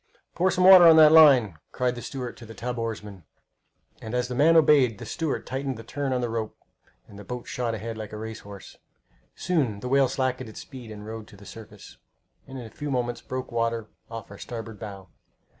"Pour some water on that line!" cried the steward to the tub oarsman. And as the man obeyed, the steward tightened the turn on the rope, and the boat shot ahead like a race horse. Soon the whale slackened his speed and rode to the surface, and in a few moments broke water off our starboard bow.